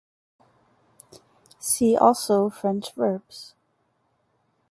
See also French verbs.